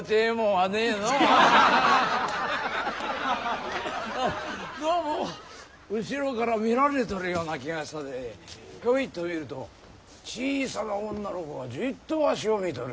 あっどうも後ろから見られとるような気がしたでひょいと見ると小さな女の子がじっとわしを見とる。